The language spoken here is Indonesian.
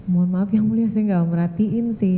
mohon maaf yang mulia saya gak merhatiin sih